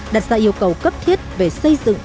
đặt ra yêu cầu cấp thiết về xây dựng